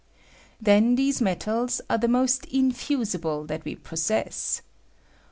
Then these metals are the most infusible that we possess.